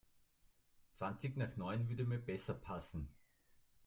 Zwanzig nach neun würde mir besser passen.